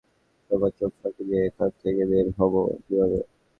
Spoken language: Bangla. সবার চোখ ফাঁকি দিয়ে এখান থেকে বের হবো কীভাবে?